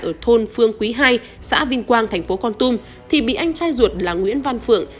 ở thôn phương quý ii xã vinh quang thành phố con tum thì bị anh trai ruột là nguyễn văn phượng